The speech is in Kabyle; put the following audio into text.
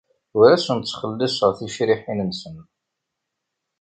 Ur asen-ttxelliṣeɣ ticehṛiyin-nsen.